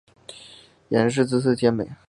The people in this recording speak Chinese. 阎氏姿色艳美。